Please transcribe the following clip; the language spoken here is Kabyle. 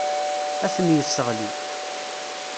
Ad ten-yesseɣli.